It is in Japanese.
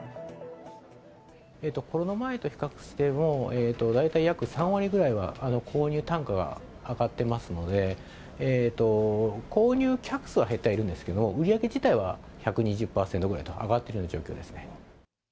コロナ前と比較しても、大体約３割ぐらいは購入単価が上がってますので、購入客数は減ってはいるんですけど、売り上げ自体は１２０％ぐらいと上がっているような状況ですね。